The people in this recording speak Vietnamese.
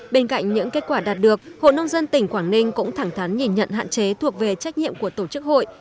bên cạnh những kết quả đạt được hội nông dân tỉnh quảng ninh cũng thẳng thắn nhìn nhận hạn chế thuộc về trách nhiệm của tổ chức hội